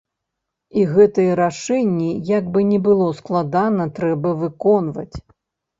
І гэтыя рашэнні, як бы ні было складана, трэба выконваць.